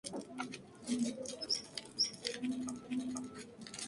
Estuvo protagonizada por Marisol Tur, Gimena Blesa, Magdalena De Santo y Andrea Duarte.